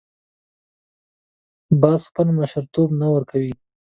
باز خپل مشرتوب نه ورکوي